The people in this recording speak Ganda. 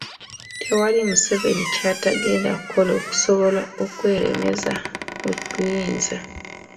Tewali Museveni kyatagenda kukola okusobola okweremeza mu buyinza.